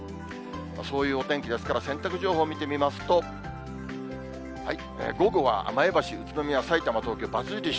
そういうお天気ですから、洗濯情報見てみますと、午後は前橋、宇都宮、さいたま、東京、×印。